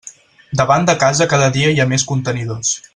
Davant de casa cada dia hi ha més contenidors.